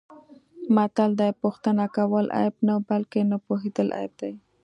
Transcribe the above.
متل دی: پوښتنه کول عیب نه، بلکه نه پوهېدل عیب دی.